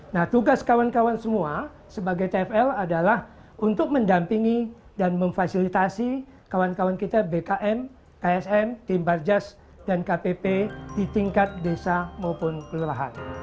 nah tugas kawan kawan semua sebagai tfl adalah untuk mendampingi dan memfasilitasi kawan kawan kita bkm ksm tim barjas dan kpp di tingkat desa maupun kelurahan